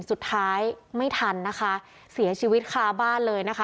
สุดท้ายไม่ทันนะคะเสียชีวิตคาบ้านเลยนะคะ